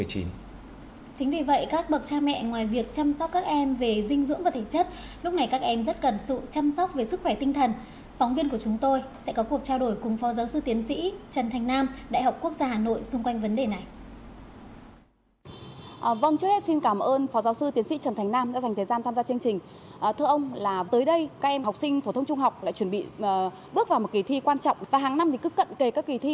chính vì vậy các bậc cha mẹ ngoài việc chăm sóc các em về dinh dưỡng và thể chất